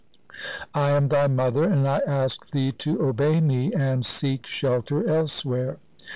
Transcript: I am thy mother, and I ask thee to obey me and seek shelter elsewhere.